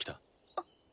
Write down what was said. あっ。